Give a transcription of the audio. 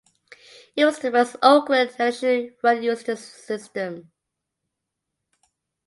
It was the first Oakland election run using this system.